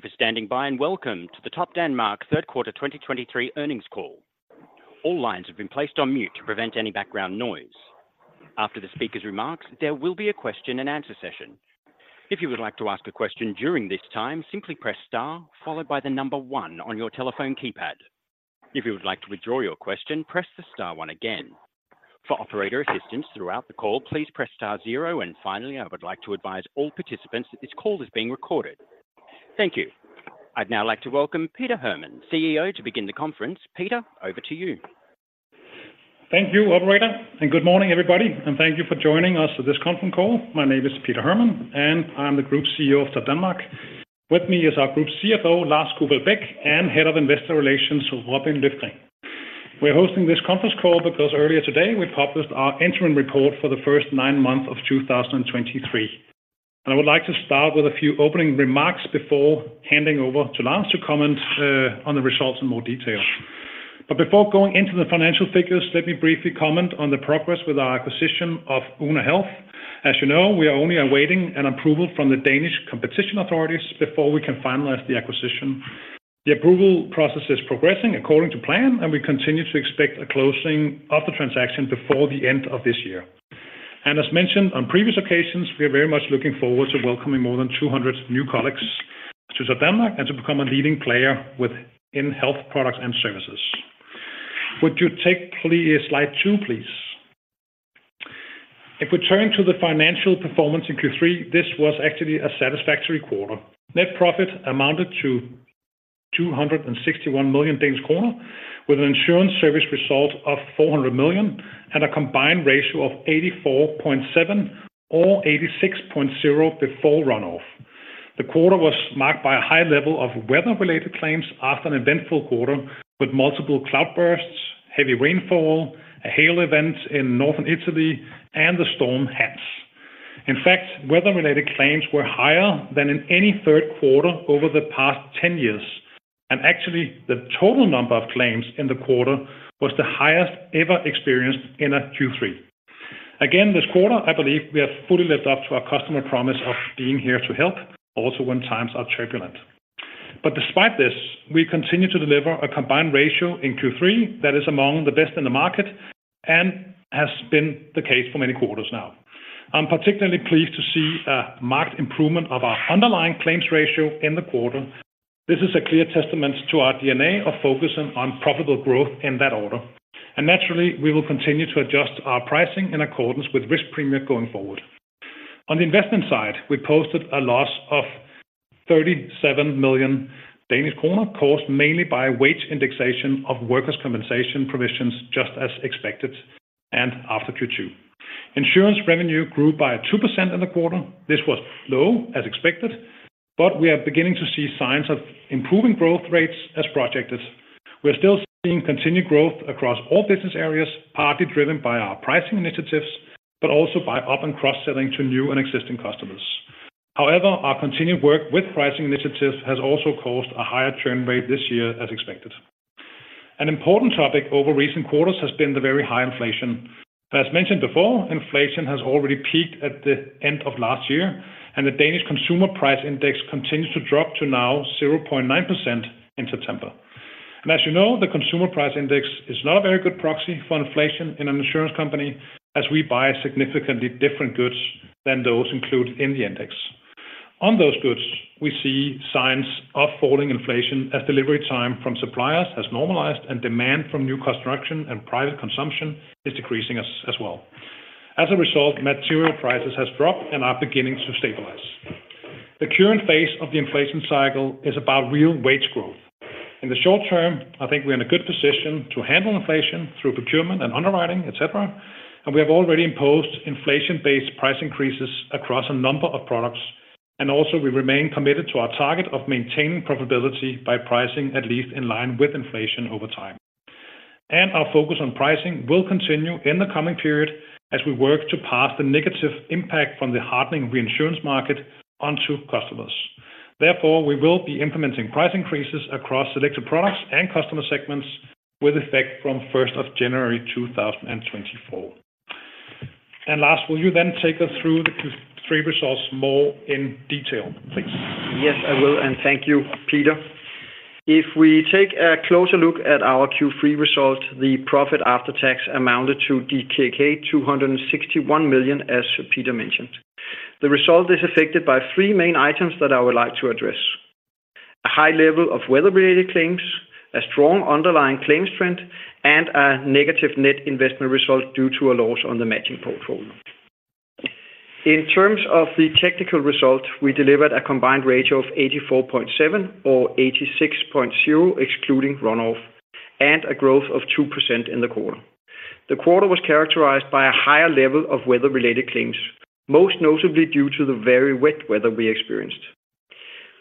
Thank you for standing by, and welcome to the Topdanmark Q3 2023 earnings call. All lines have been placed on mute to prevent any background noise. After the speaker's remarks, there will be a question-and-answer session. If you would like to ask a question during this time, simply press star followed by the number one on your telephone keypad. If you would like to withdraw your question, press the star one again. For operator assistance throughout the call, please press star zero, and finally, I would like to advise all participants that this call is being recorded. Thank you. I'd now like to welcome Peter Hermann, CEO, to begin the conference. Peter, over to you. Thank you, operator, and good morning, everybody, and thank you for joining us for this conference call. My name is Peter Hermann, and I'm the Group CEO of Topdanmark. With me is our Group CFO, Lars Kufall Beck, and Head of Investor Relations, Robin Hjelgaard Løfgren. We're hosting this conference call because earlier today, we published our interim report for the first nine months of 2023. And I would like to start with a few opening remarks before handing over to Lars to comment on the results in more detail. But before going into the financial figures, let me briefly comment on the progress with our acquisition of Oona Health. As you know, we are only awaiting an approval from the Danish competition authorities before we can finalize the acquisition. The approval process is progressing according to plan, and we continue to expect a closing of the transaction before the end of this year. As mentioned on previous occasions, we are very much looking forward to welcoming more than 200 new colleagues to Topdanmark and to become a leading player within health products and services. Would you take, please, Slide two, please? If we turn to the financial performance in Q3, this was actually a satisfactory quarter. Net profit amounted to 261 million Danish kroner, with an insurance service result of 400 million and a combined ratio of 84.7% or 86.0% before run-off. The quarter was marked by a high level of weather-related claims after an eventful quarter, with multiple cloudbursts, heavy rainfall, a hail event in Northern Italy, and the Storm Hans. In fact, weather-related claims were higher than in any Q3 over the past 10 years, and actually, the total number of claims in the quarter was the highest ever experienced in a Q3. Again, this quarter, I believe we have fully lived up to our customer promise of being here to help, also when times are turbulent. But despite this, we continue to deliver a combined ratio in Q3 that is among the best in the market and has been the case for many quarters now. I'm particularly pleased to see a marked improvement of our underlying claims ratio in the quarter. This is a clear testament to our DNA of focusing on profitable growth in that order, and naturally, we will continue to adjust our pricing in accordance with risk premium going forward. On the investment side, we posted a loss of 37 million Danish kroner, caused mainly by wage indexation of workers' compensation provisions, just as expected and after Q2. Insurance revenue grew by 2% in the quarter. This was low, as expected, but we are beginning to see signs of improving growth rates as projected. We are still seeing continued growth across all business areas, partly driven by our pricing initiatives, but also by up and cross-selling to new and existing customers. However, our continued work with pricing initiatives has also caused a higher churn rate this year as expected. An important topic over recent quarters has been the very high inflation. As mentioned before, inflation has already peaked at the end of last year, and the Danish Consumer Price Index continues to drop to now 0.9% in September. As you know, the Consumer Price Index is not a very good proxy for inflation in an insurance company, as we buy significantly different goods than those included in the index. On those goods, we see signs of falling inflation as delivery time from suppliers has normalized and demand from new construction and private consumption is decreasing as, as well. As a result, material prices has dropped and are beginning to stabilize. The current phase of the inflation cycle is about real wage growth. In the short term, I think we're in a good position to handle inflation through procurement and underwriting, et cetera, and we have already imposed inflation-based price increases across a number of products, and also we remain committed to our target of maintaining profitability by pricing at least in line with inflation over time. Our focus on pricing will continue in the coming period as we work to pass the negative impact from the hardening reinsurance market onto customers. Therefore, we will be implementing price increases across selected products and customer segments with effect from 1st of January 2024. Lars, will you then take us through the Q3 results more in detail, please? Yes, I will, and thank you, Peter. If we take a closer look at our Q3 results, the profit after tax amounted to DKK 261 million, as Peter mentioned. The result is affected by three main items that I would like to address: a high level of weather-related claims, a strong underlying claims trend, and a negative net investment result due to a loss on the matching portfolio. In terms of the technical result, we delivered a combined ratio of 84.7 or 86.0, excluding run-off, and a growth of 2% in the quarter. The quarter was characterized by a higher level of weather-related claims, most notably due to the very wet weather we experienced.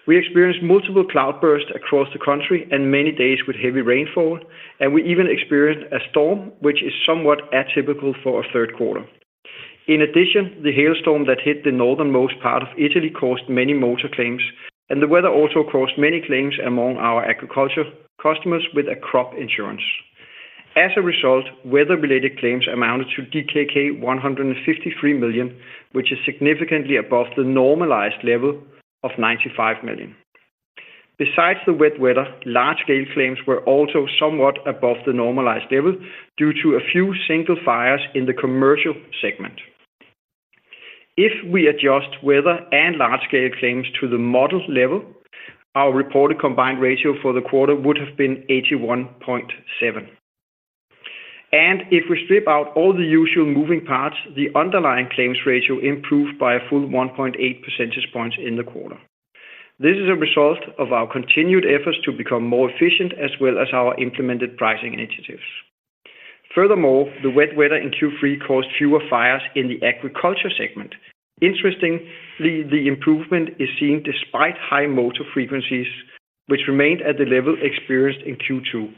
We experienced multiple cloudbursts across the country and many days with heavy rainfall, and we even experienced a storm, which is somewhat atypical for a Q3. In addition, the hailstorm that hit the northernmost part of Italy caused many motor claims, and the weather also caused many claims among our agriculture customers with a crop insurance. As a result, weather-related claims amounted to DKK 153 million, which is significantly above the normalized level of 95 million. Besides the wet weather, large-scale claims were also somewhat above the normalized level due to a few single fires in the commercial segment. If we adjust weather and large-scale claims to the model level, our reported combined ratio for the quarter would have been 81.7. If we strip out all the usual moving parts, the underlying claims ratio improved by a full 1.8 percentage points in the quarter. This is a result of our continued efforts to become more efficient, as well as our implemented pricing initiatives. Furthermore, the wet weather in Q3 caused fewer fires in the agriculture segment. Interestingly, the improvement is seen despite high motor frequencies, which remained at the level experienced in Q2,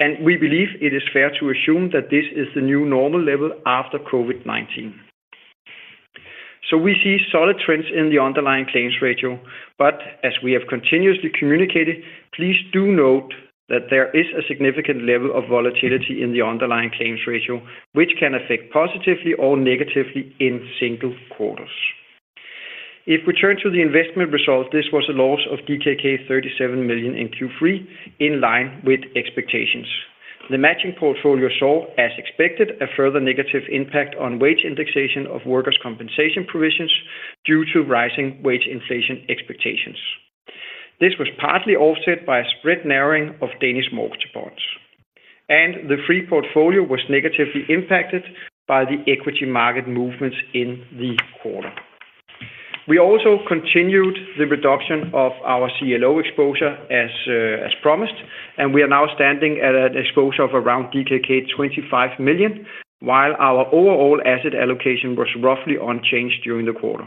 and we believe it is fair to assume that this is the new normal level after COVID-19. So we see solid trends in the underlying claims ratio, but as we have continuously communicated, please do note that there is a significant level of volatility in the underlying claims ratio, which can affect positively or negatively in single quarters. If we turn to the investment results, this was a loss of DKK 37 million in Q3, in line with expectations. The matching portfolio saw, as expected, a further negative impact on wage indexation of workers' compensation provisions due to rising wage inflation expectations. This was partly offset by a spread narrowing of Danish mortgage bonds, and the free portfolio was negatively impacted by the equity market movements in the quarter. We also continued the reduction of our CLO exposure as, as promised, and we are now standing at an exposure of around DKK 25 million, while our overall asset allocation was roughly unchanged during the quarter.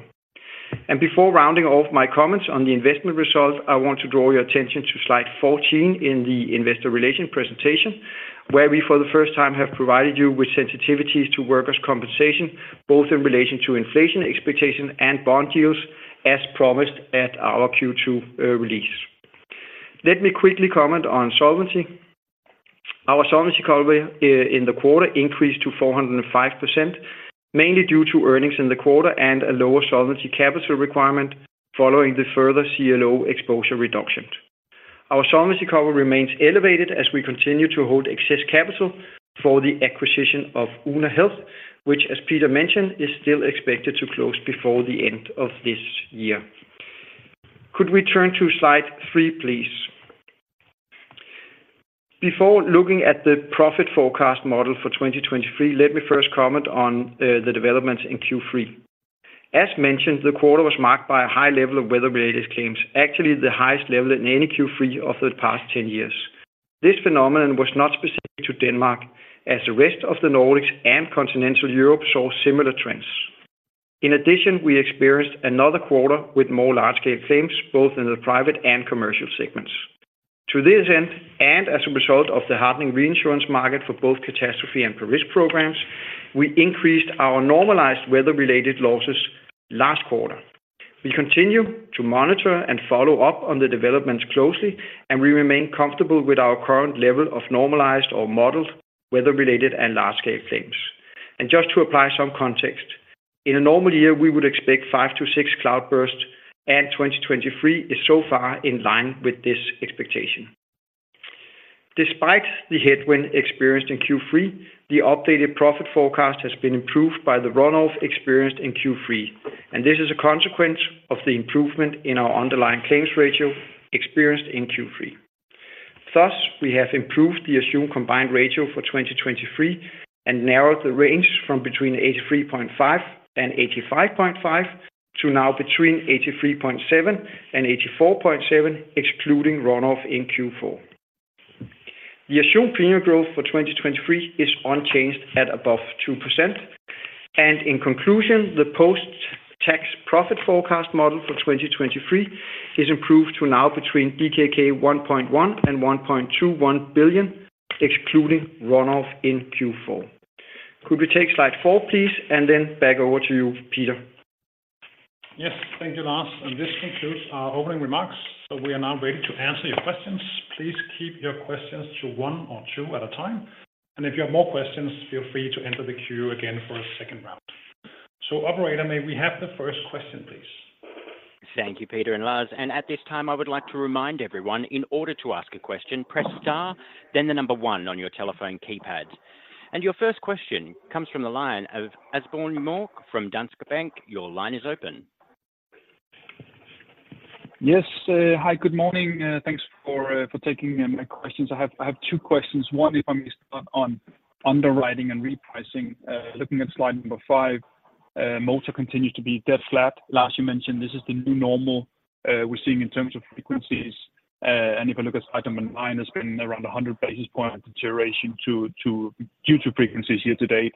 Before rounding off my comments on the investment results, I want to draw your attention to Slide 14 in the Investor Relations presentation, where we, for the first time, have provided you with sensitivities to workers' compensation, both in relation to inflation expectation and bond yields, as promised at our Q2 release. Let me quickly comment on solvency. Our solvency cover in the quarter increased to 405%, mainly due to earnings in the quarter and a lower Solvency Capital Requirement following the further CLO exposure reduction. Our solvency cover remains elevated as we continue to hold excess capital for the acquisition of Oona Health, which, as Peter mentioned, is still expected to close before the end of this year. Could we turn to Slide three, please? Before looking at the profit forecast model for 2023, let me first comment on the developments in Q3. As mentioned, the quarter was marked by a high level of weather-related claims, actually the highest level in any Q3 of the past 10 years. This phenomenon was not specific to Denmark, as the rest of the Nordics and continental Europe saw similar trends. In addition, we experienced another quarter with more large-scale claims, both in the Private and Commercial segments. To this end, and as a result of the hardening reinsurance market for both catastrophe and per risk programs, we increased our normalized weather-related losses last quarter. We continue to monitor and follow up on the developments closely, and we remain comfortable with our current level of normalized or modeled weather-related and large-scale claims. And just to apply some context, in a normal year, we would expect five to six cloudburst, and 2023 is so far in line with this expectation. Despite the headwind experienced in Q3, the updated profit forecast has been improved by the runoff experienced in Q3, and this is a consequence of the improvement in our underlying claims ratio experienced in Q3. Thus, we have improved the assumed combined ratio for 2023 and narrowed the range from between 83.5% and 85.5% to now between 83.7% and 84.7%, excluding runoff in Q4. The assumed premium growth for 2023 is unchanged at above 2%. And in conclusion, the post-tax profit forecast model for 2023 is improved to now between DKK 1.1 billion and 1.21 billion, excluding runoff in Q4. Could we take Slide four, please, and then back over to you, Peter? Yes, thank you, Lars. This concludes our opening remarks. We are now ready to answer your questions. Please keep your questions to one or two at a time, and if you have more questions, feel free to enter the queue again for a second round. Operator, may we have the first question, please? Thank you, Peter and Lars. At this time, I would like to remind everyone, in order to ask a question, press star, then the number 1 on your telephone keypad. Your first question comes from the line of Asbjørn Mørk from Danske Bank. Your line is open. Yes. Hi, good morning, thanks for taking my questions. I have two questions. One, if I may start on underwriting and repricing. Looking at Slide five, motor continues to be dead flat. Lars, you mentioned this is the new normal we're seeing in terms of frequencies. And if you look at item number nine, there's been around 100 basis points deterioration due to frequencies here today.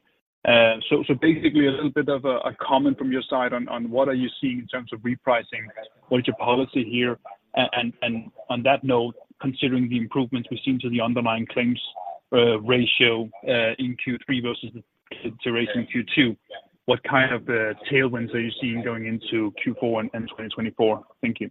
So basically a little bit of a comment from your side on what are you seeing in terms of repricing? What is your policy here? And on that note, considering the improvements we've seen to the underlying claims ratio in Q3 versus the deterioration in Q2, what kind of tailwinds are you seeing going into Q4 and 2024? Thank you. ...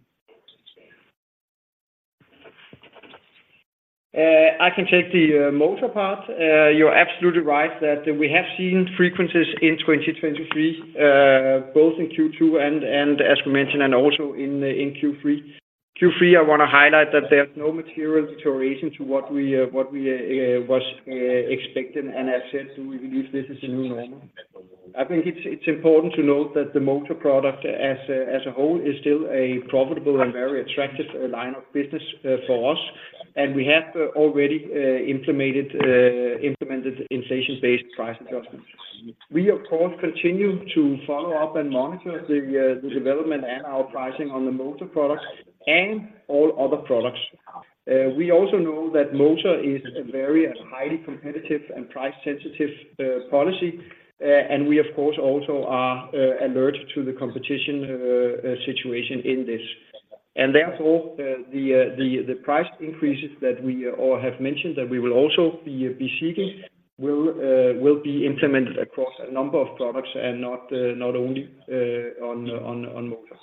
I can take the motor part. You're absolutely right that we have seen frequencies in 2023, both in Q2 and, as we mentioned, also in Q3. Q3, I want to highlight that there's no material deterioration to what we were expecting and as said, so we believe this is the new normal. I think it's important to note that the motor product as a whole is still a profitable and very attractive line of business for us, and we have already implemented inflation-based price adjustments. We, of course, continue to follow up and monitor the development and our pricing on the motor products and all other products. We also know that motor is a very highly competitive and price-sensitive policy. And we, of course, also are alert to the competition situation in this. Therefore, the price increases that we all have mentioned, that we will also be seeking will be implemented across a number of products and not only on motor.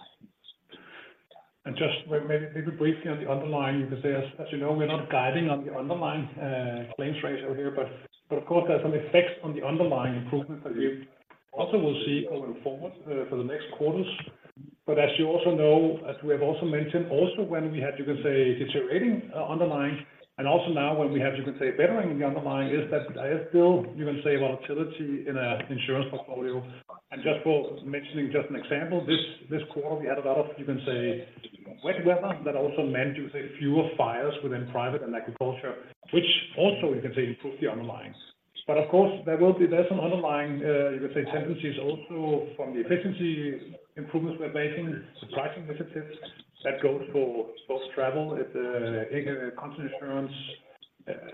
Just maybe a little briefly on the underlying, you can say, as you know, we're not guiding on the underlying claims ratio here, but of course, there are some effects on the underlying improvements that we also will see over forward for the next quarters. As you also know, as we have also mentioned, also when we had, you can say, deteriorating underlying and also now when we have, you can say, bettering the underlying, is that there is still, you can say, volatility in our insurance portfolio. Just for mentioning, just an example, this quarter, we had a lot of, you can say, wet weather that also meant, you can say, fewer fires within private and agriculture, which also you can say improved the underlying. But of course, there will be some underlying, you could say, tendencies also from the efficiency improvements we're making, the pricing initiatives that goes for both travel, and the contents insurance,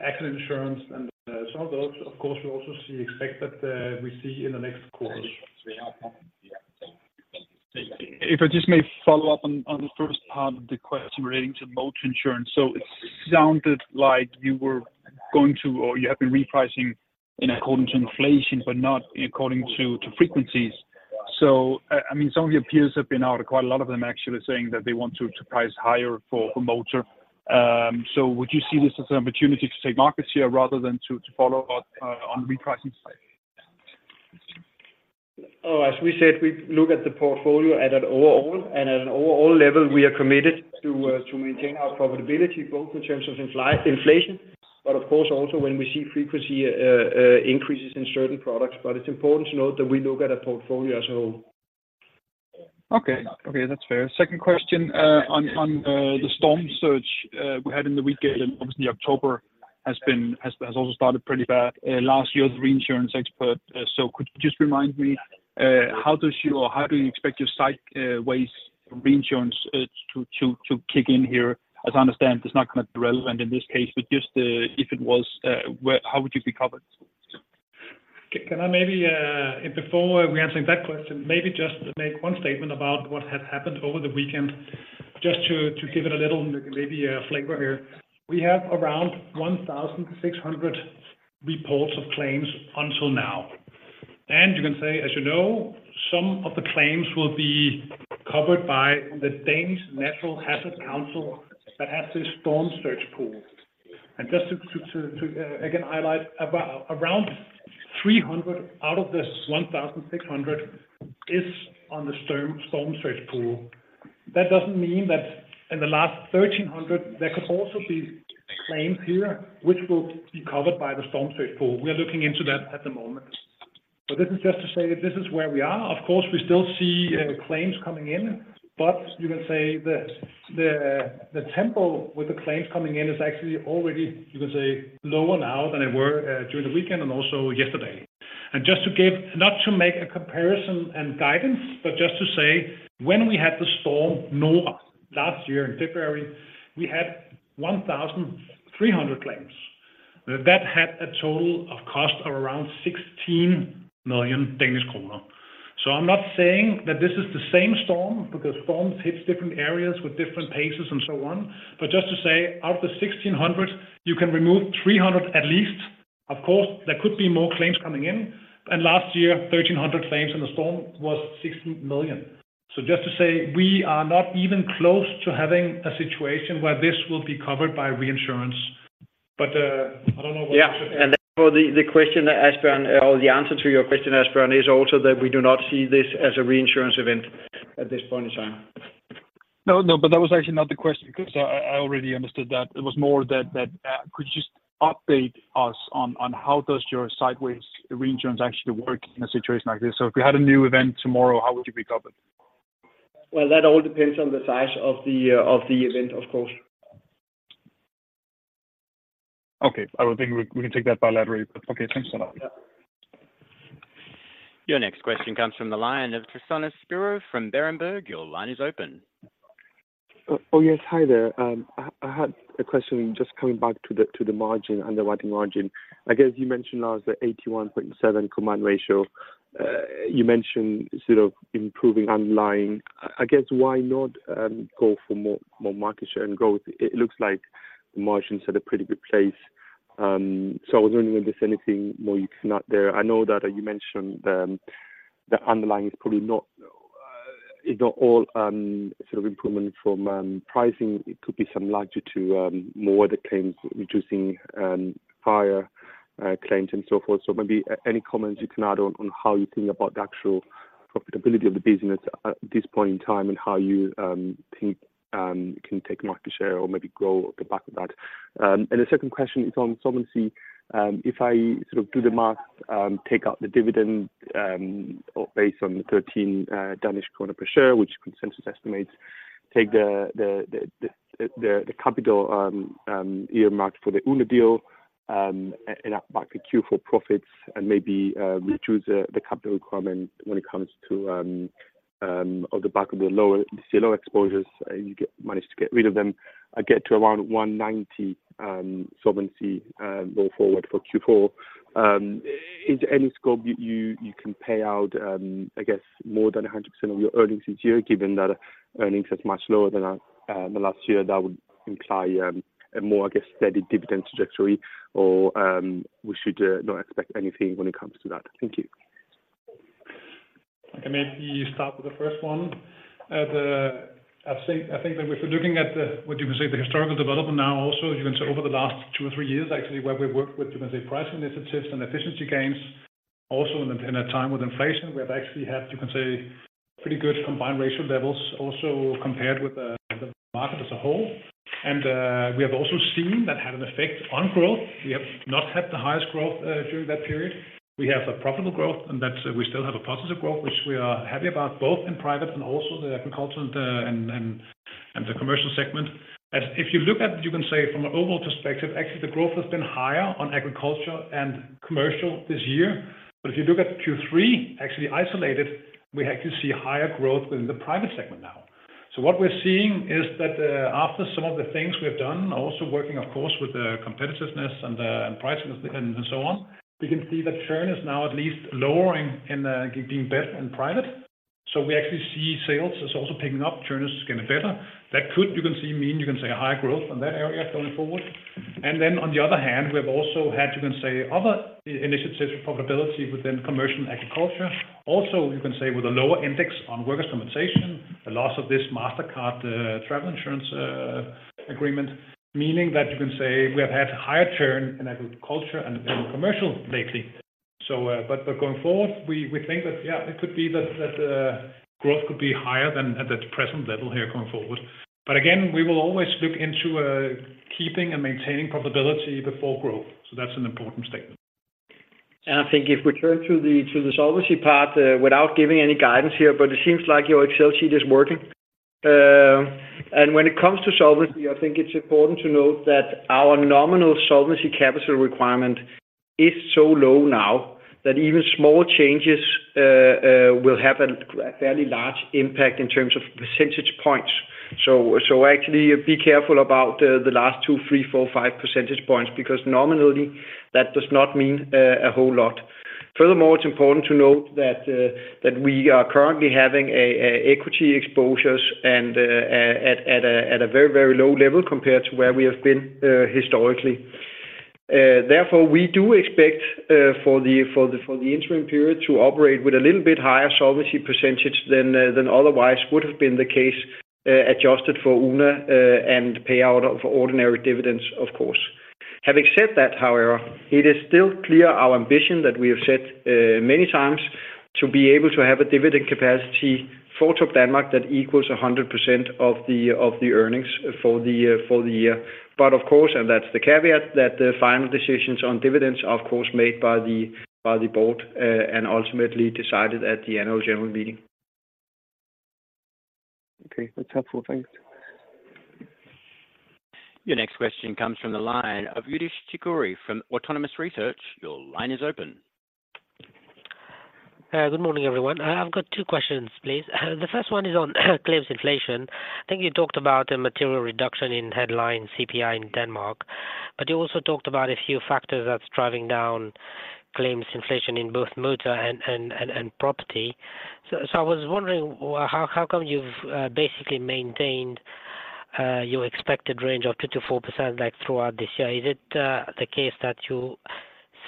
accident insurance, and some of those, of course, we also expect that we see in the next quarter. If I just may follow up on the first part of the question relating to motor insurance. So it sounded like you were going to or you have been repricing in according to inflation, but not according to frequencies. So, I mean, some of your peers have been out, quite a lot of them actually saying that they want to price higher for motor. So would you see this as an opportunity to take markets here rather than to follow up on repricing? Oh, as we said, we look at the portfolio at an overall, and at an overall level, we are committed to maintain our profitability, both in terms of inflation, but of course, also when we see frequency increases in certain products. But it's important to note that we look at a portfolio as a whole. Okay. That's fair. Second question, on the storm surge we had in the weekend, and obviously October has also started pretty bad, last year as a reinsurance expert. Could you just remind me, how does your or how do you expect your sideways reinsurance to kick in here? As I understand, it's not quite relevant in this case, but just, if it was, where, how would you be covered? Can I maybe, and before we answering that question, maybe just make one statement about what has happened over the weekend, just to give it a little maybe a flavor here. We have around 1,600 reports of claims until now, and you can say, as you know, some of the claims will be covered by the Danish Natural Hazards Council that has this storm surge pool. And just to again highlight, about around 300 out of this 1,600 is on the storm surge pool. That doesn't mean that in the last 1,300, there could also be claims here, which will be covered by the storm surge pool. We are looking into that at the moment. So this is just to say that this is where we are. Of course, we still see claims coming in, but you can say the tempo with the claims coming in is actually already, you can say, lower now than they were during the weekend and also yesterday. And just to give... not to make a comparison and guidance, but just to say, when we had the Storm Noa last year in February, we had 1,300 claims. That had a total cost of around 16 million Danish kroner. So I'm not saying that this is the same storm, because storms hits different areas with different paces and so on. But just to say, out of the 1,600, you can remove 300 at least. Of course, there could be more claims coming in, and last year, 1,300 claims, and the storm was 16 million DKK. Just to say we are not even close to having a situation where this will be covered by reinsurance. But, I don't know what- Yeah, and therefore, the question, Asbjørn, or the answer to your question, Asbjørn, is also that we do not see this as a reinsurance event at this point in time. No, no, but that was actually not the question, because I already understood that. It was more that could you just update us on how does your sideways reinsurance actually work in a situation like this? So if we had a new event tomorrow, how would you be covered? Well, that all depends on the size of the event, of course. Okay. I would think we can take that bilaterally. Okay, thanks a lot. Yeah. Your next question comes from the line of Tryfonas Spyrou from Berenberg. Your line is open. Oh, yes. Hi there. I had a question just coming back to the margin, underwriting margin. I guess you mentioned now the 81.7 combined ratio. You mentioned sort of improving underlying. I guess why not go for more market share and growth? It looks like the margins are at a pretty good place. So I was wondering if there's anything more you can add there. I know that you mentioned the underlying is probably not all sort of improvement from pricing. It could be some likely to more of the claims reducing higher claims and so forth. So maybe any comments you can add on how you think about the actual profitability of the business at this point in time, and how you think can take market share or maybe grow off the back of that? The second question is on solvency. If I sort of do the math, take out the dividend, or based on the 13 DKK per share, which consensus estimates, take the capital earmarked for the Oona deal, and back to Q4 profits, and maybe reduce the capital requirement when it comes to off the back of the lower CLO exposures, you get, managed to get rid of them. I get to around 190 solvency go forward for Q4. Is any scope you can pay out, I guess more than 100% of your earnings this year, given that earnings is much lower than the last year? That would imply a more, I guess, steady dividend trajectory or we should not expect anything when it comes to that. Thank you. I can maybe start with the first one. The, I think that if we're looking at the, what you can say, the historical development now also, you can say over the last two or three years, actually, where we've worked with, you can say, price initiatives and efficiency gains. Also, in a, in a time with inflation, we have actually had, you can say, pretty good combined ratio levels also compared with the, the market as a whole. And we have also seen that had an effect on growth. We have not had the highest growth during that period. We have a profitable growth, and that we still have a positive growth, which we are happy about, both in private and also the agriculture and the commercial segment. As if you look at, you can say, from an overall perspective, actually, the growth has been higher on agriculture and commercial this year. But if you look at Q3, actually isolated, we actually see higher growth within the private segment now. So what we're seeing is that, after some of the things we've done, also working, of course, with the competitiveness and the, and pricing and so on, we can see that churn is now at least lowering and, getting better in private. So we actually see sales is also picking up, churn is getting better. That could, you can see, mean, you can see a higher growth in that area going forward. And then on the other hand, we've also had, you can say, other initiatives for profitability within commercial agriculture. Also, you can say with a lower index on workers' compensation, the loss of this Mastercard travel insurance agreement, meaning that you can say we have had higher churn in agriculture and in commercial lately. So, but going forward, we think that, yeah, it could be that growth could be higher than at the present level here going forward. But again, we will always look into keeping and maintaining profitability before growth. So that's an important statement. I think if we turn to the solvency part, without giving any guidance here, but it seems like your Excel sheet is working. When it comes to solvency, I think it's important to note that our nominal Solvency Capital Requirement is so low now that even small changes will have a fairly large impact in terms of percentage points. Actually, be careful about the last two, three, four, five percentage points, because nominally, that does not mean a whole lot. Furthermore, it's important to note that we are currently having equity exposures and at a very, very low level compared to where we have been historically. Therefore, we do expect for the interim period to operate with a little bit higher solvency percentage than otherwise would have been the case, adjusted for Oona and payout of ordinary dividends, of course. Having said that, however, it is still clear our ambition, that we have said many times, to be able to have a dividend capacity for Topdanmark that equals 100% of the earnings for the year. But of course, and that's the caveat, that the final decisions on dividends are, of course, made by the Board and ultimately decided at the annual general meeting. Okay, that's helpful. Thanks. Your next question comes from the line of Youdish Chicooree from Autonomous Research. Your line is open. Good morning, everyone. I've got two questions, please. The first one is on claims inflation. I think you talked about a material reduction in headline CPI in Denmark, but you also talked about a few factors that's driving down claims inflation in both motor and property. I was wondering how come you've basically maintained your expected range of 2%-4% like throughout this year? Is it the case that you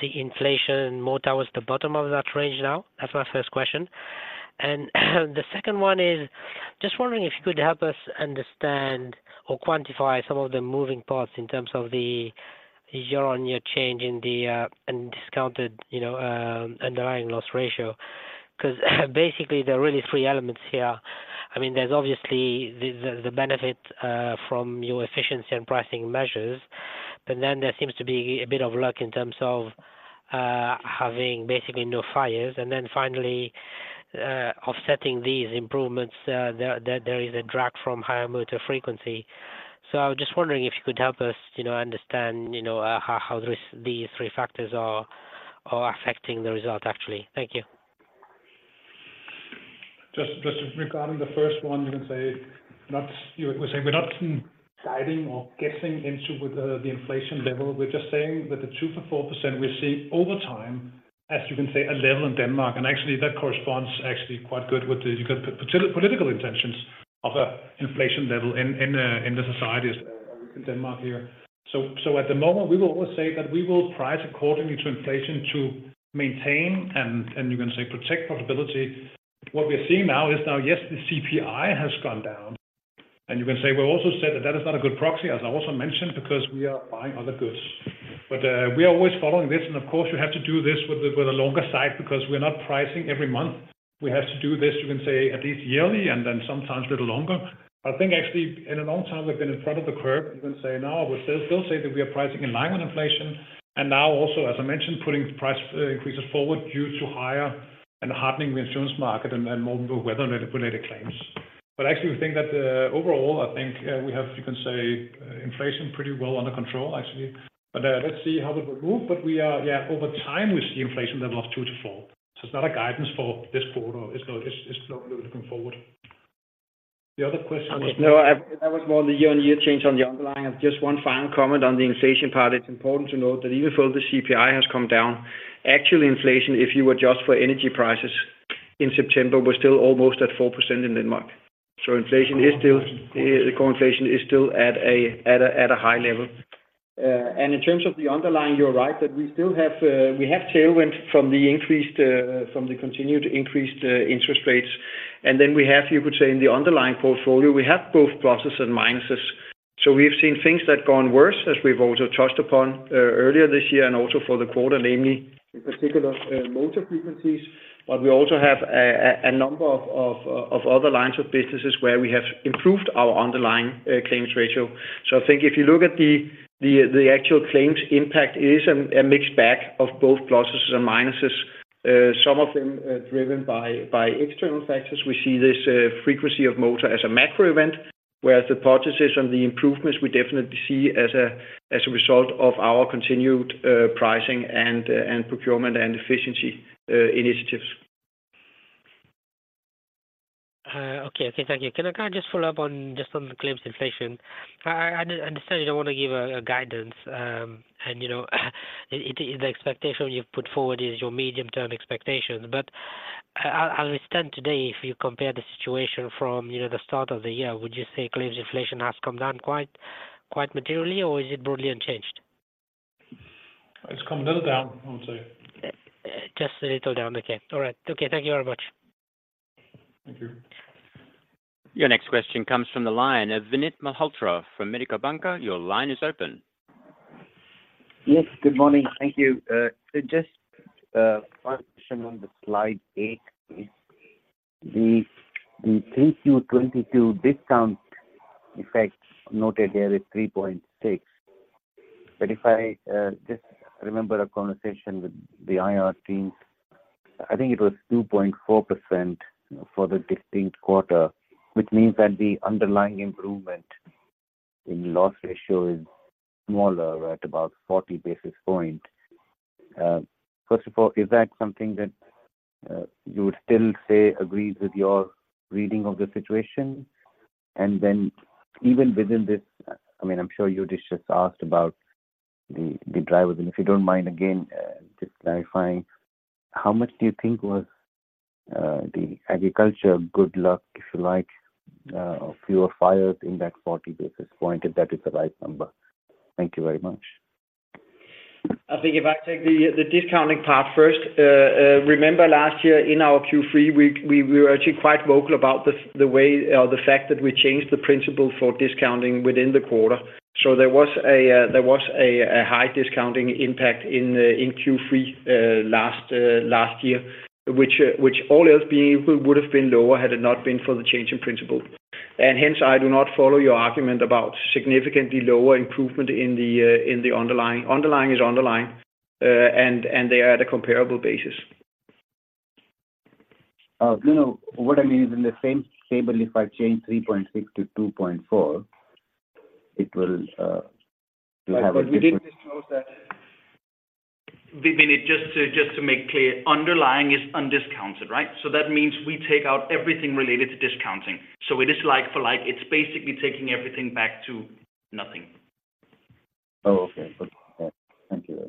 see inflation in motor was the bottom of that range now? That's my first question. The second one is just wondering if you could help us understand or quantify some of the moving parts in terms of the year-on-year change in the and discounted, you know, underlying loss ratio. 'Cause basically, there are really three elements here. I mean, there's obviously the benefit from your efficiency and pricing measures, but then there seems to be a bit of luck in terms of having basically no fires. And then finally, offsetting these improvements, there is a drag from higher motor frequency. So I was just wondering if you could help us, you know, understand, you know, how these three factors are affecting the result, actually. Thank you. Just regarding the first one, you can say, not. We're saying we're not guiding or guessing into what the inflation level. We're just saying that the 2%-4% we see over time, as you can say, a level in Denmark, and actually that corresponds actually quite good with the, you got the political intentions of a inflation level in the societies in Denmark here. So at the moment, we will always say that we will price accordingly to inflation to maintain and, and you can say protect profitability. What we are seeing now is now, yes, the CPI has gone down, and you can say we also said that that is not a good proxy, as I also mentioned, because we are buying other goods. But we are always following this, and of course, you have to do this with the, with the longer side because we're not pricing every month. We have to do this, you can say at least yearly and then sometimes a little longer. I think actually in a long time we've been in front of the curve, you can say now, but still, still say that we are pricing in line with inflation. And now also, as I mentioned, putting price, increases forward due to higher and hardening the insurance market and, and more weather-related claims. But actually, we think that, overall, I think, we have, you can say, inflation pretty well under control, actually. But let's see how it will move. But we are, yeah, over time, we see inflation level of two, four. So it's not a guidance for this quarter. It's not really looking forward. The other question was- No, that was more the year-on-year change on the underlying. And just one final comment on the inflation part. It's important to note that even though the CPI has come down, actually inflation, if you adjust for energy prices in September, was still almost at 4% in Denmark. So inflation is still- The core inflation is still at a high level. And in terms of the underlying, you're right, that we still have, we have tailwind from the increased, from the continued increased, interest rates. And then we have, you could say, in the underlying portfolio, we have both pluses and minuses. So we've seen things that gone worse as we've also touched upon, earlier this year and also for the quarter, namely in particular, motor frequencies. But we also have a number of other lines of businesses where we have improved our underlying, claims ratio. So I think if you look at the actual claims impact is a mixed bag of both pluses and minuses, some of them driven by external factors. We see this frequency of motor as a macro event, whereas the purchases and the improvements, we definitely see as a result of our continued pricing and procurement and efficiency initiatives. Okay. Okay, thank you. Can I just follow up on just on the claims inflation? I understand you don't want to give a guidance, and you know, the expectation you've put forward is your medium-term expectations. But as we stand today, if you compare the situation from you know, the start of the year, would you say claims inflation has come down quite quite materially, or is it broadly unchanged? It's come a little down, I would say. Just a little down. Okay. All right. Okay, thank you very much. Thank you. Your next question comes from the line of Vinit Malhotra from Mediobanca. Your line is open. Yes, good morning. Thank you. So just one question on the Slide eight. Q3 2022 discount effect noted there is 3.6. But if I just remember a conversation with the IR team, I think it was 2.4% for the this quarter, which means that the underlying improvement in loss ratio is smaller at about 40 basis points. First of all, is that something that you would still say agrees with your reading of the situation? And then even within this, I mean, I'm sure you just asked about the drivers, and if you don't mind, again just clarifying, how much do you think was the agriculture good luck, if you like, or fewer fires in that 40 basis points, if that is the right number? Thank you very much. I think if I take the discounting part first, remember last year in our Q3, we were actually quite vocal about the way or the fact that we changed the principle for discounting within the quarter. So there was a high discounting impact in Q3 last year, which all else being equal, would have been lower had it not been for the change in principle. And hence, I do not follow your argument about significantly lower improvement in the underlying. Underlying is underlying, and they are at a comparable basis. You know, what I mean is in the same table, if I change 3.6 to 2.4, it will have a different- But we didn't disclose that. Vinit, just to, just to make clear, underlying is undiscounted, right? So that means we take out everything related to discounting. So it is like-for-like, it's basically taking everything back to nothing. Oh, okay. Thank you very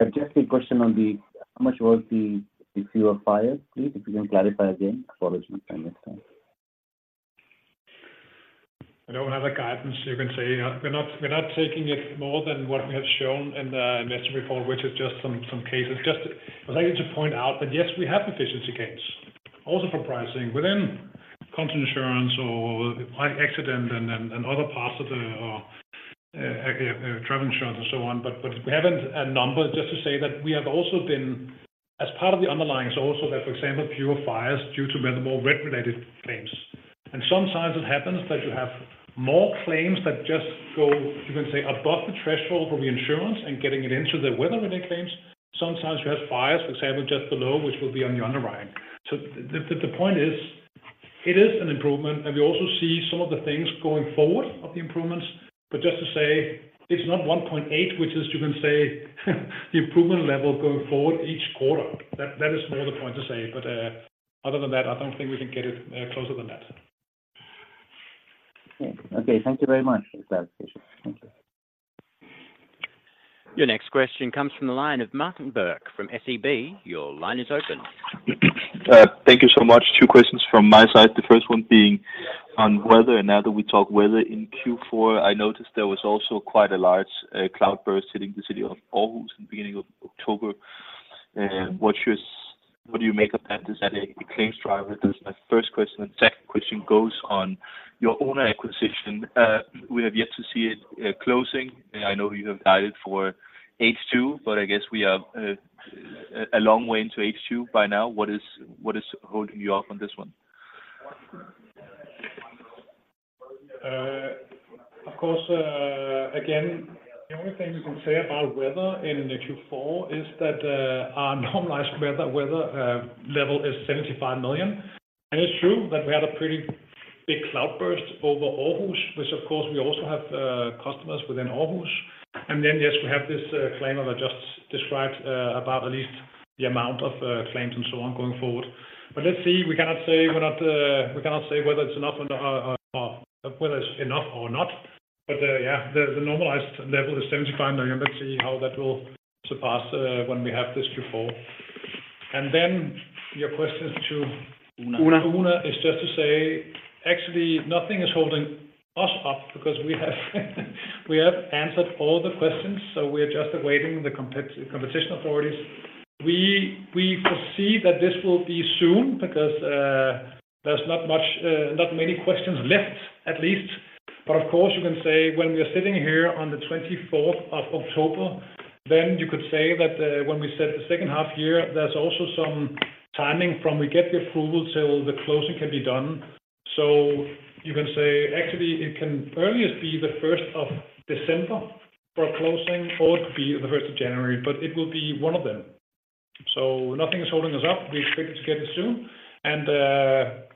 much. Just a question on the, how much was the, the fewer fires, please, if you can clarify again? Apologies, my mistake. I don't have a guidance. You can say, we're not taking it more than what we have shown in the investor report, which is just some cases. Just I'd like you to point out that, yes, we have efficiency gains, also for pricing within content insurance or by accident and other parts of the travel insurance and so on. But we haven't a number just to say that we have also been as part of the underlying, so also that, for example, fewer fires due to weather more weather-related claims. And sometimes it happens that you have more claims that just go, you can say, above the threshold for the insurance and getting it into the weather-related claims. Sometimes you have fires, which happen just below, which will be on the underlying. So the point is, it is an improvement, and we also see some of the things going forward of the improvements. But just to say, it's not 1.8, which is you can say, the improvement level going forward each quarter. That is not the point to say, but other than that, I don't think we can get it closer than that. Okay. Thank you very much for the clarification. Thank you. Your next question comes from the line of Martin Parkhøi from SEB. Your line is open. Thank you so much. Two questions from my side. The first one being on weather. Now that we talk weather in Q4, I noticed there was also quite a large cloudburst hitting the city of Aarhus in the beginning of October. What's your—what do you make of that? Is that a claims driver? That's my first question. Second question goes on your Oona acquisition. We have yet to see it closing. I know you have guided for H2, but I guess we are a long way into H2 by now. What is, what is holding you up on this one? Of course, again, the only thing you can say about weather in the Q4 is that our normalized weather level is 75 million. And it's true that we had a pretty big cloudburst over Aarhus which of course we also have customers within Aarhus. And then, yes, we have this claim that I just described about at least the amount of claims and so on going forward. But let's see, we cannot say we're not, we cannot say whether it's enough on the whether it's enough or not. But yeah, the normalized level is 75 million. Let's see how that will surpass when we have this Q4. And then your question to- Oona. Oona is just to say, actually, nothing is holding us up because we have answered all the questions, so we are just awaiting the competition authorities. We foresee that this will be soon because there's not much, not many questions left, at least. But of course, you can say when we are sitting here on the 24th of October, then you could say that when we said the second half year, there's also some timing from we get the approval, so the closing can be done. So you can say, actually, it can earliest be the 1st of December for closing, or it could be the 1st of January, but it will be one of them. So nothing is holding us up. We expect it to get it soon, and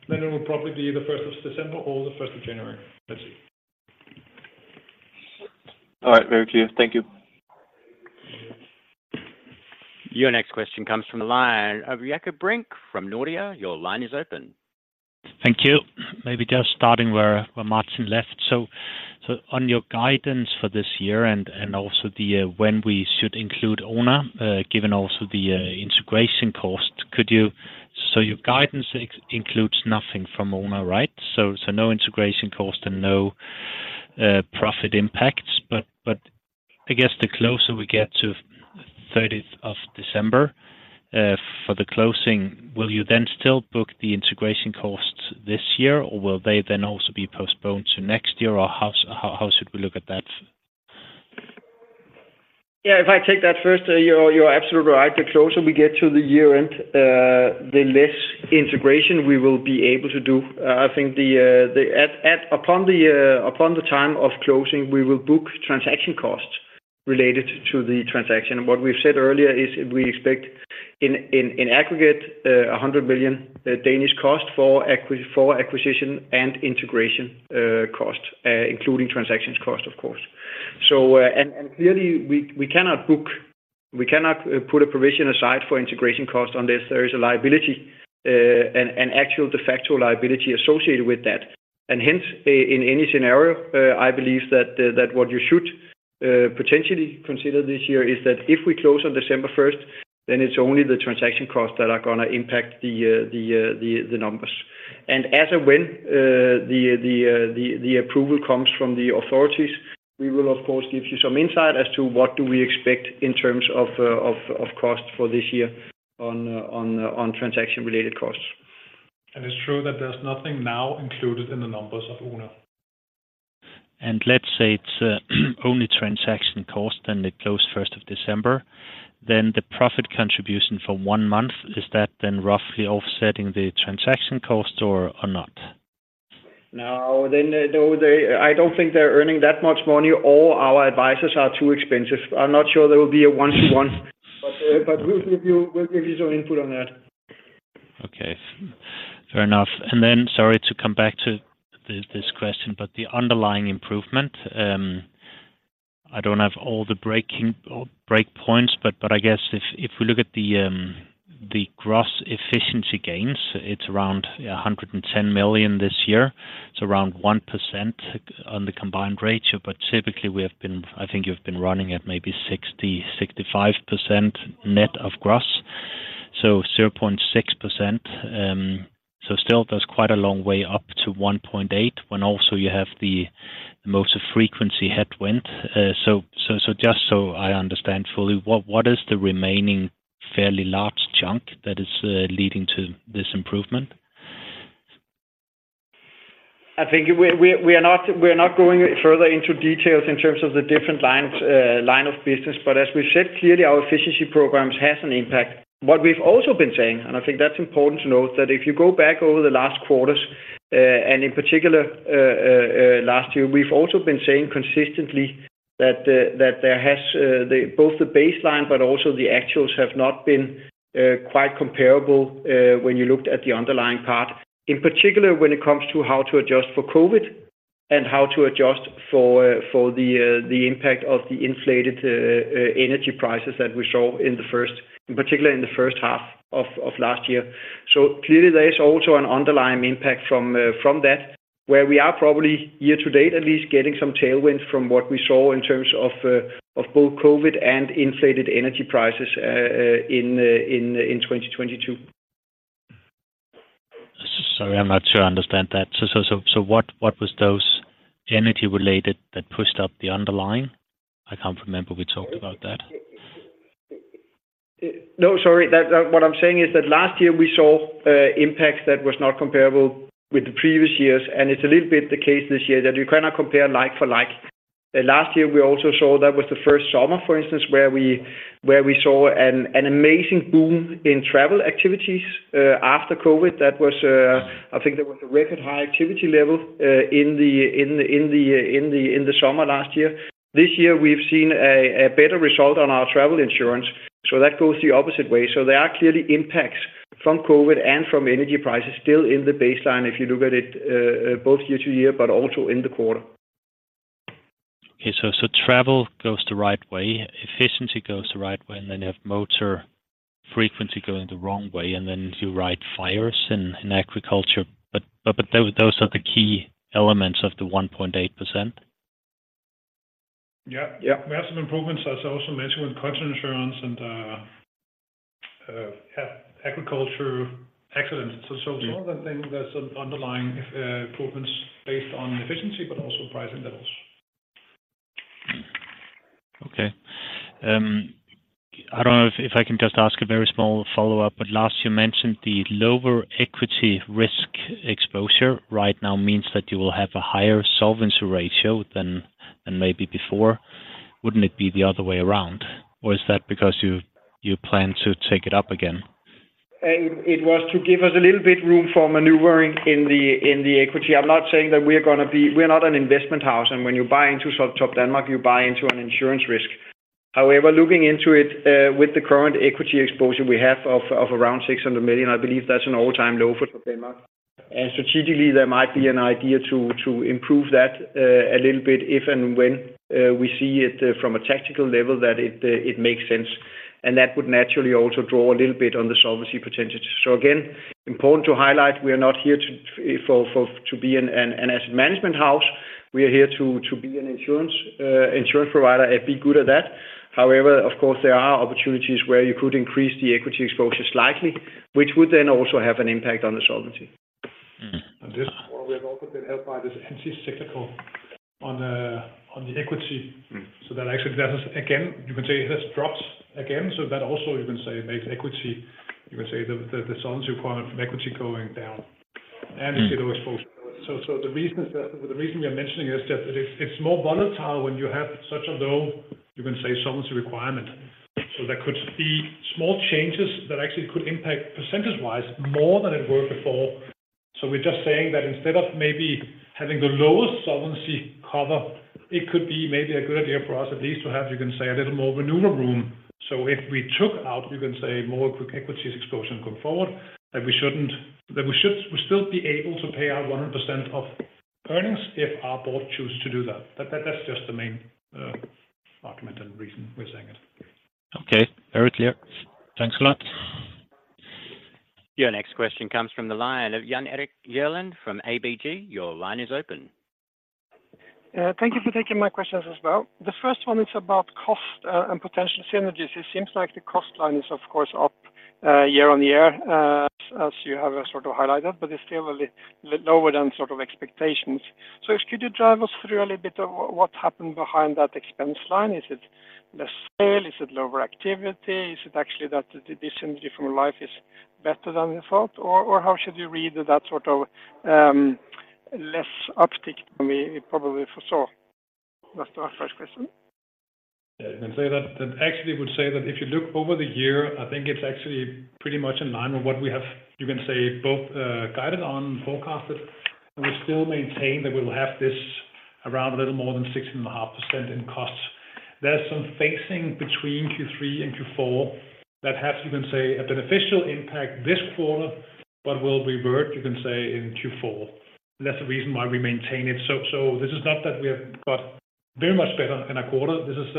then it will probably be the 1st of December or the 1st of January. Let's see. All right. Very clear. Thank you. Your next question comes from the line of Jakob Brink from Nordea. Your line is open. Thank you. Maybe just starting where Martin left. So on your guidance for this year and also the when we should include Oona, given also the integration cost, could you— so your guidance includes nothing from Oona, right? So no integration cost and no profit impacts. But I guess the closer we get to 31st December for the closing, will you then still book the integration costs this year, or will they then also be postponed to next year? Or how should we look at that? Yeah, if I take that first, you're absolutely right. The closer we get to the year-end, the less integration we will be able to do. I think at the time of closing, we will book transaction costs related to the transaction. What we've said earlier is we expect in aggregate 100 million for acquisition and integration costs, including transaction costs, of course. So, clearly, we cannot book, we cannot put a provision aside for integration costs on this. There is a liability and actual de facto liability associated with that. And hence, in any scenario, I believe that what you should potentially consider this year is that if we close on December 1st, then it's only the transaction costs that are gonna impact the numbers. And as of when the approval comes from the authorities, we will of course give you some insight as to what do we expect in terms of cost for this year on transaction-related costs. It's true that there's nothing now included in the numbers of Oona. And let's say it's only transaction cost, then they close 1st of December, then the profit contribution for one month, is that then roughly offsetting the transaction cost or, or not. No, then, no, they... I don't think they're earning that much money, or our advisors are too expensive. I'm not sure there will be a one-to-one, but, but we'll give you, we'll give you some input on that. Okay, fair enough. And then sorry to come back to this, this question, but the underlying improvement, I don't have all the breaking or break points, but, but I guess if, if we look at the, the gross efficiency gains, it's around, yeah, 110 million this year. It's around 1% on the combined ratio, but typically we have been-- I think you've been running at maybe 60, 65% net of gross, so 0.6%. So still, there's quite a long way up to 1.8 when also you have the most frequency headwind. So, so, so just so I understand fully, what, what is the remaining fairly large chunk that is leading to this improvement? I think we are not going further into details in terms of the different lines of business. But as we've said, clearly, our efficiency programs has an impact. What we've also been saying, and I think that's important to note, that if you go back over the last quarters, and in particular last year, we've also been saying consistently that there has both the baseline, but also the actuals have not been quite comparable, when you looked at the underlying part, in particular, when it comes to how to adjust for COVID and how to adjust for the impact of the inflated energy prices that we saw in the first, in particular, in the first half of last year. So clearly, there is also an underlying impact from that, where we are probably year-to-date, at least getting some tailwinds from what we saw in terms of both COVID and inflated energy prices in 2022. Sorry, I'm not sure I understand that. So, what was those energy related that pushed up the underlying? I can't remember we talked about that. No, sorry. What I'm saying is that last year we saw impacts that were not comparable with the previous years, and it's a little bit the case this year that you cannot compare like-for-like. Last year, we also saw that was the first summer, for instance, where we saw an amazing boom in travel activities after COVID. I think there was a record high activity level in the summer last year. This year, we've seen a better result on our travel insurance, so that goes the opposite way. There are clearly impacts from COVID and from energy prices still in the baseline if you look at it both year-to-year, but also in the quarter. Okay. So travel goes the right way, efficiency goes the right way, and then you have motor frequency going the wrong way, and then you have wildfires in agriculture. But those are the key elements of the 1.8%? Yeah. Yeah. We have some improvements, as I also mentioned, with content insurance and have agriculture accidents. So, some of the things there's some underlying improvements based on efficiency, but also pricing levels. Okay. I don't know if I can just ask a very small follow-up, but last you mentioned the lower equity risk exposure right now means that you will have a higher solvency ratio than maybe before. Wouldn't it be the other way around, or is that because you plan to take it up again? It was to give us a little bit room for maneuvering in the equity. I'm not saying that we're gonna be—we're not an investment house, and when you buy into Topdanmark, you buy into an insurance risk. However, looking into it, with the current equity exposure we have of around 600 million, I believe that's an all-time low for Topdanmark. Strategically, there might be an idea to improve that a little bit, if and when we see it from a tactical level, that it makes sense. And that would naturally also draw a little bit on the solvency potential. So again, important to highlight, we are not here to be an asset management house. We are here to be an insurance provider and be good at that. However, of course, there are opportunities where you could increase the equity exposure slightly, which would then also have an impact on the solvency. Mm-hmm. This, we have also been helped by this anti-cyclical on the equity. Mm-hmm. So that actually does, again, you can say this drops again. So that also you can say makes equity, you can say the solvency requirement from equity going down, and you see the exposure. So the reason we are mentioning is just that it's more volatile when you have such a low, you can say, solvency requirement. So there could be small changes that actually could impact percentage-wise more than it worked before. So we're just saying that instead of maybe having the lowest solvency cover, it could be maybe a good idea for us at least to have, you can say, a little more renewal room. So if we took out, you can say, more quick equity exposure going forward, that we shouldn't, that we should still be able to pay out 100% of earnings if our Board choose to do that. That, that's just the main argument and reason we're saying it. Okay. Very clear. Thanks a lot. Your next question comes from the line of Jan Erik Gjerland from ABG. Your line is open. Thank you for taking my questions as well. The first one is about cost, and potential synergies. It seems like the cost line is, of course, up, year-on-year, as you have sort of highlighted, but it's still a little lower than sort of expectations. So could you drive us through a little bit of what happened behind that expense line? Is it less sale? Is it lower activity? Is it actually that the synergy from life is better than we thought? Or, or how should you read that sort of, less uptick than we probably foresaw? That's my first question. Yeah, you can say that. That actually would say that if you look over the year, I think it's actually pretty much in line with what we have, you can say, both guided on forecasted, and we still maintain that we will have this around a little more than 16.5% in costs. There's some phasing between Q3 and Q4 that has, you can say, a beneficial impact this quarter, but will revert, you can say, in Q4. That's the reason why we maintain it. So, so this is not that we have got very much better in a quarter. This is,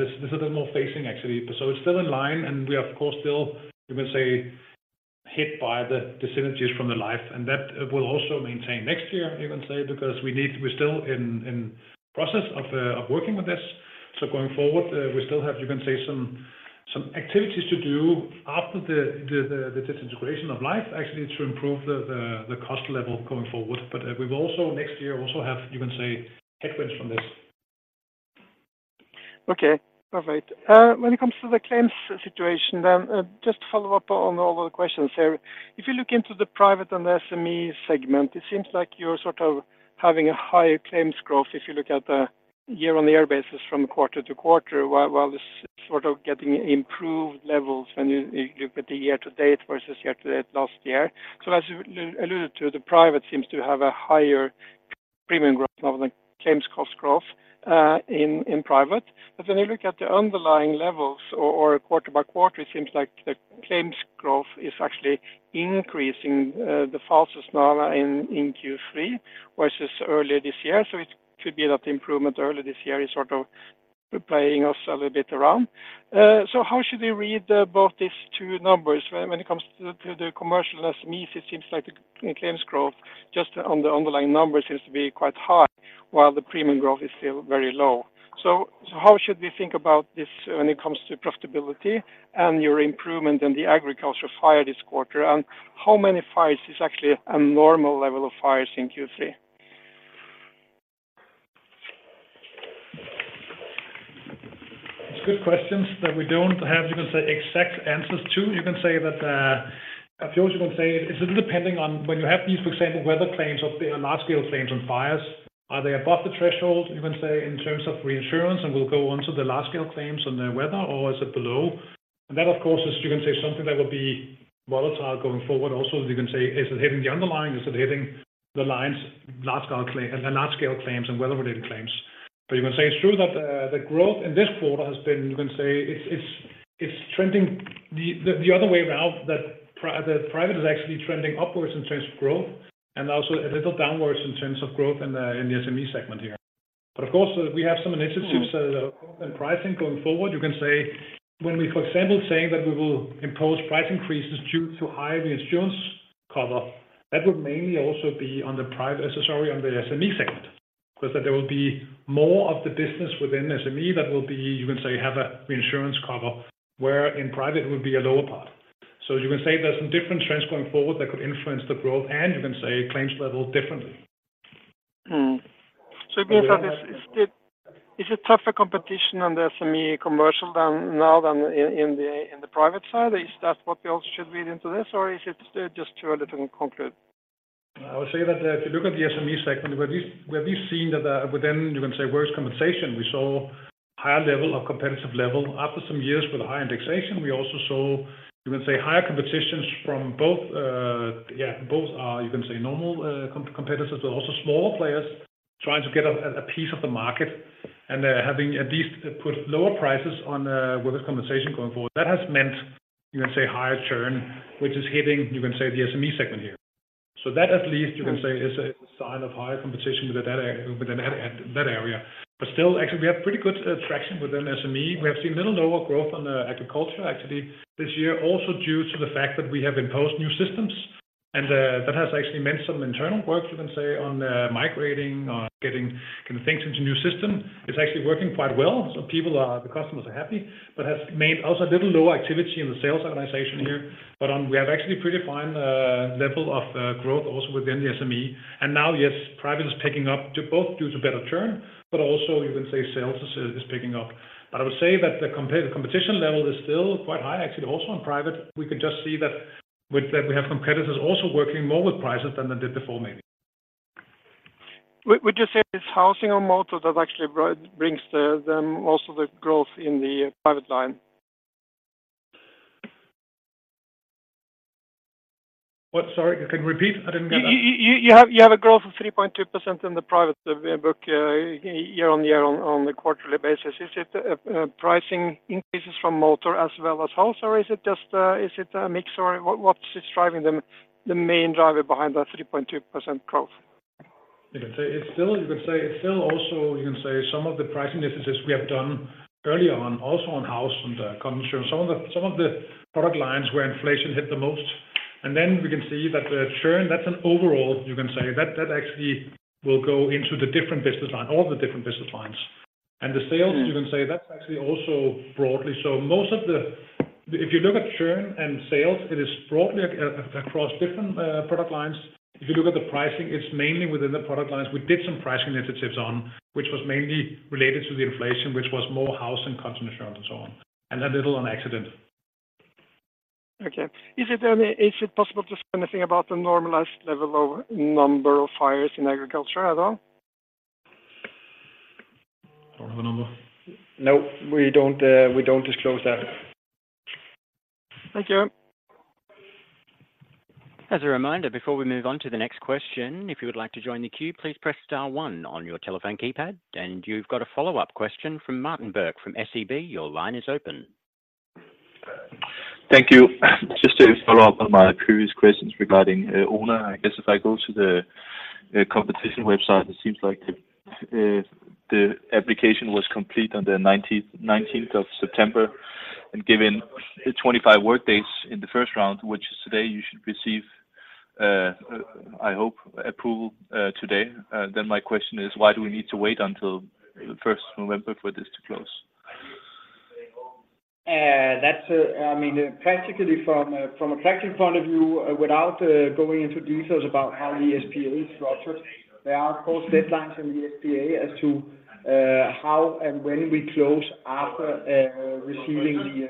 this, this is a little more phasing actually. So it's still in line, and we are, of course, still, you can say, hit by the synergies from the life. That will also maintain next year, you can say, because we need-- we're still in, in process of, of working with this. Going forward, we still have, you can say, some, some activities to do after the, the, the, the disintegration of life, actually, to improve the, the, the cost level going forward. We will also, next year, also have, you can say, headwinds from this. Okay, perfect. When it comes to the claims situation, then, just to follow up on all the questions there. If you look into the private and SME segment, it seems like you're sort of having a higher claims growth if you look at the year-on-year basis from quarter-to-quarter, while this sort of getting improved levels when you put the year-to-date versus year-to-date last year. So as you alluded to, the private seems to have a higher premium growth than claims cost growth, in private. But when you look at the underlying levels or quarter-by-quarter, it seems like the claims growth is actually increasing the fastest now in Q3, versus earlier this year. So it could be that the improvement earlier this year is sort of-... We're playing ourselves a little bit around. So how should we read about these two numbers? When it comes to the commercial SME, it seems like the claims growth just on the underlying numbers seems to be quite high, while the premium growth is still very low. So how should we think about this when it comes to profitability and your improvement in the agriculture fire this quarter? And how many fires is actually a normal level of fires in Q3? It's good questions that we don't have, you can say, exact answers to. You can say that, Jan, you can say it's a little depending on when you have these, for example, weather claims or large-scale claims on fires, are they above the threshold, you can say, in terms of reinsurance, and we'll go on to the large-scale claims and the weather, or is it below? And that, of course, is you can say something that will be volatile going forward. Also, you can say, is it hitting the underlying, is it hitting the lines, large-scale claim, large-scale claims and weather-related claims. But you can say it's true that the growth in this quarter has been, you can say, it's trending the other way around, that the private is actually trending upwards in terms of growth, and also a little downwards in terms of growth in the SME segment here. But of course, we have some initiatives that are open pricing going forward. You can say when we, for example, saying that we will impose price increases due to high reinsurance cover, that would mainly also be on the private, sorry, on the SME segment. Because there will be more of the business within SME that will be, you can say, have a insurance cover, where in private, it would be a lower part. You can say there's some different trends going forward that could influence the growth, and you can say claims level differently. So it means that, is it tougher competition on the SME commercial than now than in the private side? Is that what we also should read into this, or is it just too little concrete? I would say that if you look at the SME segment, where we, where we've seen that, within, you can say, workers' compensation, we saw higher level of competitive level. After some years with high indexation, we also saw, you can say, higher competition from both, yeah, both, you can say, normal, competitors, but also small players trying to get a, a piece of the market, and they're having at least put lower prices on, with this competition going forward. That has meant, you can say, higher churn, which is hitting, you can say, the SME segment here. So that at least, you can say, is a sign of higher competition with that area, with that, that area. But still, actually, we have pretty good, traction within SME. We have seen a little lower growth on the agriculture actually this year, also due to the fact that we have imposed new systems, and that has actually meant some internal work, you can say, on migrating or getting kind of things into new system. It's actually working quite well, so the customers are happy, but has made also a little lower activity in the sales organization here. We have actually pretty fine level of growth also within the SME. And now, yes, private is picking up to both due to better churn, but also you can say sales is picking up. But I would say that the competition level is still quite high, actually, also on private. We can just see that with that, we have competitors also working more with prices than they did before, maybe. Would you say it's housing or motor that actually brings them also the growth in the private line? What? Sorry, you can repeat? I didn't get that. You have a growth of 3.2% in the private book year-on-year on the quarterly basis. Is it pricing increases from motor as well as house, or is it just a mix or what? What is driving them, the main driver behind that 3.2% growth? You can say it's still also some of the pricing initiatives we have done earlier on, also on house and commercial. Some of the product lines where inflation hit the most, and then we can see that the churn, that's an overall, you can say that actually will go into the different business lines, all the different business lines. And the sales- Mm. You can say, that's actually also broadly. So most of the—if you look at churn and sales, it is broadly across different product lines. If you look at the pricing, it's mainly within the product lines. We did some pricing initiatives on, which was mainly related to the inflation, which was more house and continuation and so on, and a little on accident. Okay. Is it then, is it possible to say anything about the normalized level of number of fires in agriculture at all? I don't have a number. No, we don't, we don't disclose that. Thank you. As a reminder, before we move on to the next question, if you would like to join the queue, please press star one on your telephone keypad. You've got a follow-up question from Martin Parkhøi from SEB. Your line is open. Thank you. Just to follow up on my previous questions regarding Oona, I guess if I go to the competition website, it seems like the application was complete on the 19th of September. Given the 25 work days in the first round, which is today, you should receive, I hope, approval today. Then my question is, why do we need to wait until the 1st November for this to close? That's, I mean, practically from a practical point of view, without going into details about how the SPA is structured, there are, of course, deadlines in the SPA as to how and when we close after receiving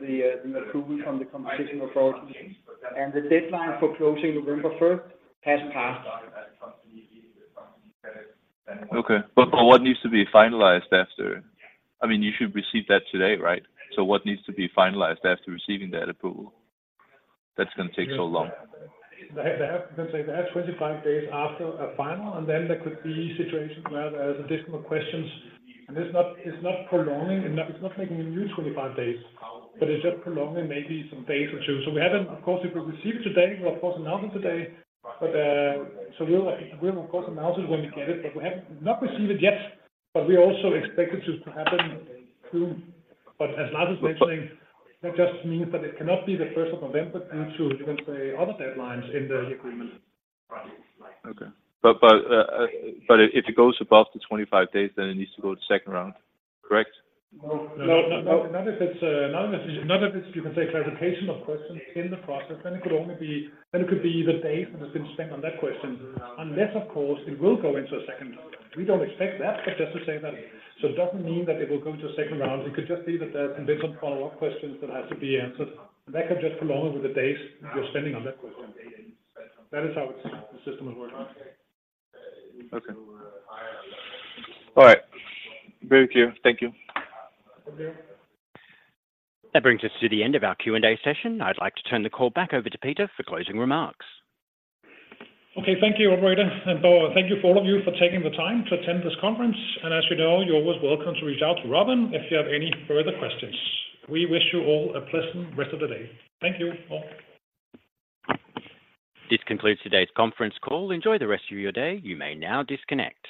the approval from the competition authorities. And the deadline for closing November 1st has passed. Okay. But, but what needs to be finalized after? I mean, you should receive that today, right? So what needs to be finalized after receiving that approval, that's going to take so long? They have, they have, let's say they have 25 days after a final, and then there could be situations where there is additional questions. And it's not, it's not prolonging, and it's not making a new 25 days, but it's just prolonging maybe some days or two. So we haven't, of course, if we receive it today, we'll of course, announce it today. But, so we'll, we'll, of course, announce it when we get it, but we have not received it yet, but we also expect it to, to happen too. But as Lars is mentioning, that just means that it cannot be the 1st of November due to, you can say, other deadlines in the agreement. Okay. But if it goes above the 25 days, then it needs to go to the second round, correct? No, no, not if it's, not if it's, not if it's, you can say, clarification of questions in the process, then it could only be, then it could be the days that have been spent on that question. Unless, of course, it will go into a second. We don't expect that, just to say that. It doesn't mean that it will go into a second round. It could just be that there's some follow-up questions that have to be answered, and that could just prolong over the days we're spending on that question. That is how the system is working. Okay. All right. Very clear. Thank you. Okay. That brings us to the end of our Q&A session. I'd like to turn the call back over to Peter for closing remarks. Okay. Thank you, operator. Thank you for all of you for taking the time to attend this conference. As you know, you're always welcome to reach out to Robin if you have any further questions. We wish you all a pleasant rest of the day. Thank you all. This concludes today's conference call. Enjoy the rest of your day. You may now disconnect.